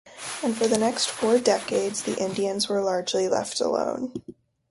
And for the next four decades, the Indians were largely left alone.